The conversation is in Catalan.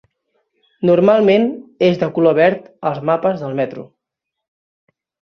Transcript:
Normalment és de color verd als mapes del metro.